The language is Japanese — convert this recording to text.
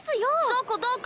どこどこ？